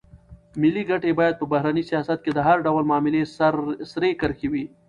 ملي ګټې باید په بهرني سیاست کې د هر ډول معاملې سرې کرښې وي.